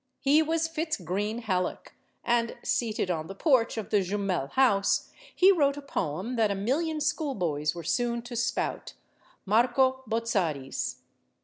He was Fitz Greene Halleck; and, seated on the porch of the Jumel house, he wrote a poem that a million school boys were soon to spout "Marco Bozzaris."